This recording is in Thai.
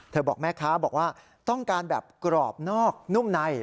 บอกแม่ค้าบอกว่าต้องการแบบกรอบนอกนุ่มใน